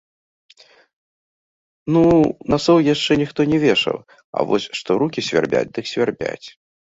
Ну, насоў яшчэ ніхто не вешаў, а вось што рукі свярбяць, дык свярбяць.